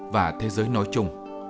và thế giới nói chung